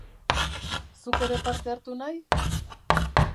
Zuk ere parte hartu nahi?